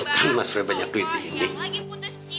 kan mas frey banyak duit nih